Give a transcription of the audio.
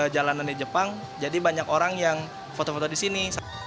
jalanan di jepang jadi banyak orang yang foto foto di sini